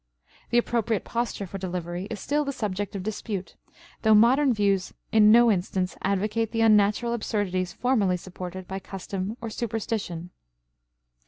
The appropriate posture for delivery is still the subject of dispute, though modern views in no instance advocate the unnatural absurdities formerly supported by custom or superstition.